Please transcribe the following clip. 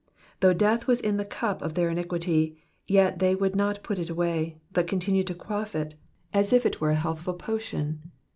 Though death was in the cup of their iniquity, vet they would not put it away, but continued to quaff it as if it were a healthful potion.